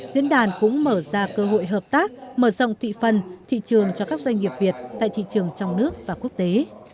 diễn đàn cũng mở ra cơ hội hợp tác mở rộng thị phần thị trường cho các doanh nghiệp việt tại thị trường trong nước và quốc tế